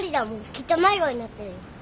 きっと迷子になってるよ。